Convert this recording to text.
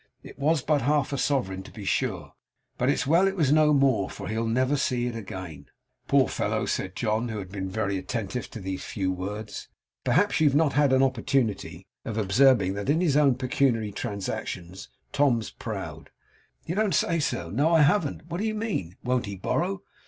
It was but half a sovereign, to be sure; but it's well it was no more, for he'll never see it again.' 'Poor fellow!' said John, who had been very attentive to these few words. 'Perhaps you have not had an opportunity of observing that, in his own pecuniary transactions, Tom's proud.' 'You don't say so! No, I haven't. What do you mean? Won't he borrow?